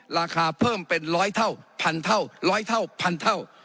ราคาเพิ่มเป็นร้อยเท่าพันเท่าร้อยเท่าพันเท่า